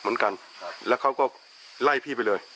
เหมือนกันแล้วเขาก็ไล่พี่ไปเลย